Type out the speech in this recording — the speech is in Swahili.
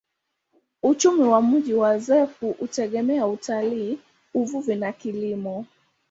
Uchumi wa mji wa Azeffou hutegemea utalii, uvuvi na kilimo.